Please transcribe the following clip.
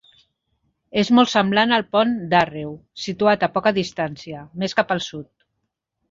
És molt semblant al Pont d'Àrreu, situat a poca distància, més cap al sud.